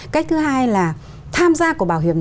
cách thứ hai là tham gia của bảo hiểm